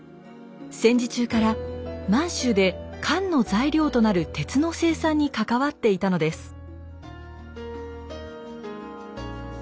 戦時中から満州で缶の材料となる鉄の生産に関わっていたのです。